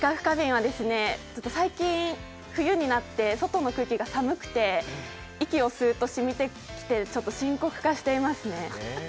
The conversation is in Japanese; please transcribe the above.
最近、冬になって外の空気が寒くて息を吸うと染みてきて深刻化していますね。